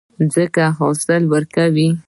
ځمکه حاصل ورکوي.